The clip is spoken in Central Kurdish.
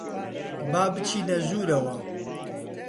با بچینە ژوورەوە.